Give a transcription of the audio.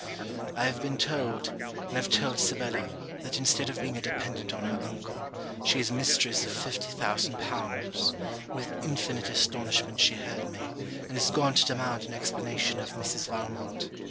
I have been told, and have told Sibella, that instead of being a dependent on her uncle, she is mistress of fifty thousand pounds: with infinite astonishment she heard me, and is gone to demand an explanation of Mrs. Valmont.